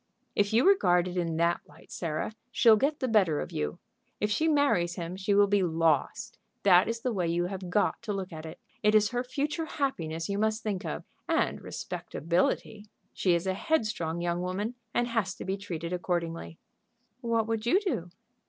"If you regard it in that light, Sarah, she'll get the better of you. If she marries him she will be lost; that is the way you have got to look at it. It is her future happiness you must think of and respectability. She is a headstrong young woman, and has to be treated accordingly." "What would you do?"